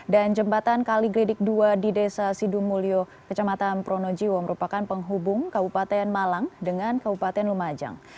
dan jembatan kaliglidik ii di desa sidumulyo kecamatan pronojiwo merupakan penghubung kabupaten malang dengan kabupaten lumajang